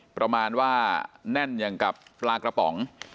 ประมาณว่าแน่นอย่างกับปลากระป๋อง